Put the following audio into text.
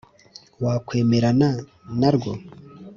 Wakwemerana na rwo